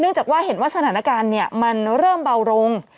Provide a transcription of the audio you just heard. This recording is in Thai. เนื่องจากว่าเห็นว่าสถานการณ์เนี่ยมันเริ่มเบาลง